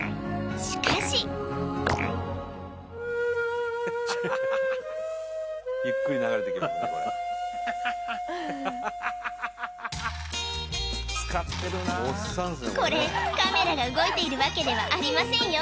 しかしこれカメラが動いているわけではありませんよ